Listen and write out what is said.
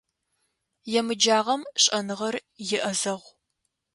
Емыджагъэм шӏэныгъэр иӏэзэгъу.